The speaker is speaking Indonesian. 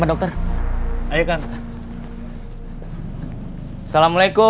mak eros tuh gak tahu